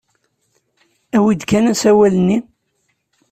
Awi-d kan asawal-nni.